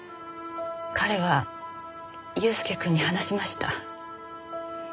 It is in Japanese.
彼は祐介くんに話しました。